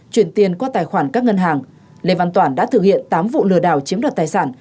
chuyển tiền qua tài khoản các ngân hàng lê văn toản đã thực hiện tám vụ lừa đảo chiếm đoạt tài sản